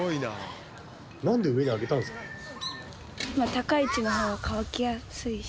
高い位置の方が乾きやすいし。